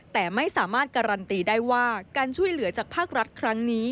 แต่ไม่สามารถการันตีได้ว่าการช่วยเหลือจากภาครัฐครั้งนี้